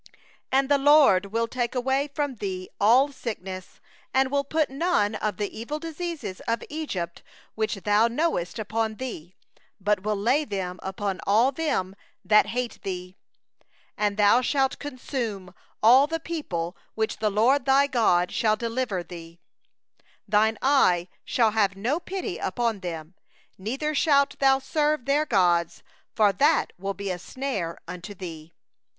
15And the LORD will take away from thee all sickness; and He will put none of the evil diseases of Egypt, which thou knowest, upon thee, but will lay them upon all them that hate thee. 16And thou shalt consume all the peoples that the LORD thy God shall deliver unto thee; thine eye shall not pity them; neither shalt thou serve their gods; for that will be a snare unto thee.